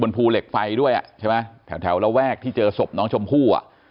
เสกไฟด้วยแถวระแวกที่เจอสพน้องชมพู่